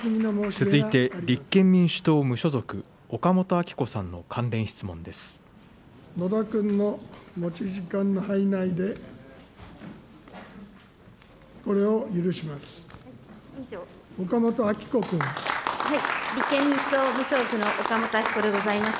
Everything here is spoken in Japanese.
続いて、立憲民主党・無所属、岡本あき子さんの関連質問です。